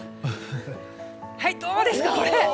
どうですか、これ！